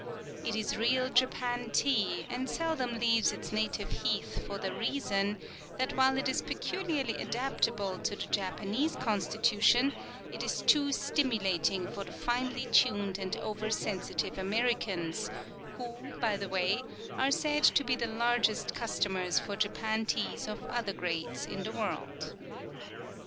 It is real Japan tea, and seldom leaves its native heath for the reason that, while it is peculiarly adaptable to the Japanese constitution, it is too stimulating for the finely tuned and over sensitive Americans, who, by the way, are said to be the largest customers for Japan teas of other grades in the world.